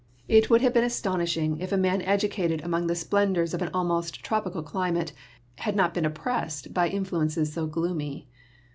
It would have been astonishing if a man edu cated among the splendors of an almost tropical climate had not been oppressed by influences so gloomy.